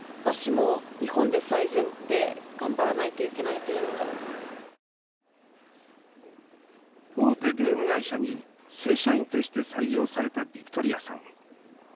そして迎えた初出社の日大手ゲーム会社に正社員として採用されたビクトリアさん。